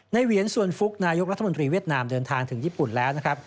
เหวียนสวนฟุกนายกรัฐมนตรีเวียดนามเดินทางถึงญี่ปุ่นแล้วนะครับ